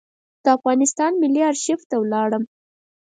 د افغانستان ملي آرشیف ته ولاړم.